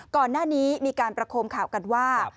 ก่อนหน้านี้มีการประคมข่าวกันว่า